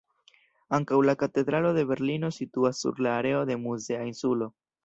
Ankaŭ la Katedralo de Berlino situas sur la areo de la muzea insulo.